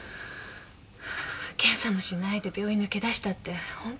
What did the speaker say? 検査もしないで病院抜け出したって本当？